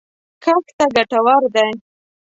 کښت ته ګټور دی